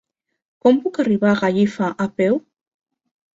Com puc arribar a Gallifa a peu?